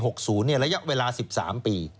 จนถึงปี๖๐ระยะเวลา๑๓ปี